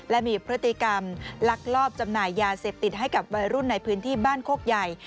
และมีพฤติกรรมลักลอบจำหน่ายยาเสพติดให้กับวัยรุ่นในพื้นที่บ้านโคกใหญ่